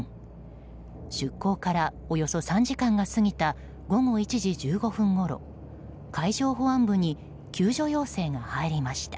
出港からおよそ３時間が過ぎた午後１時１５分ごろ海上保安部に救助要請が入りました。